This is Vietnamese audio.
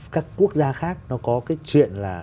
các quốc gia khác nó có cái chuyện là